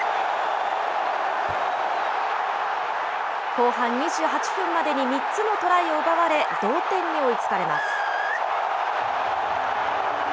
後半２８分までに３つのトライを奪われ、同点に追いつかれます。